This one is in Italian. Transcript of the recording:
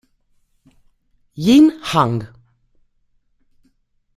Yin Hang